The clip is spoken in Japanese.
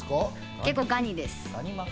結構ガニです。